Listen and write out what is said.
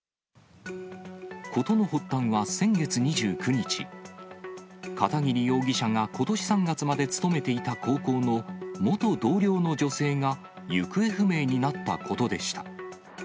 事の発端は先月２９日、片桐容疑者がことし３月まで勤めていた高校の元同僚の女性が行方不明になったことでした。